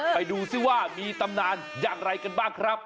ไปดูซิว่ามีตำนานอย่างไรกันบ้างครับ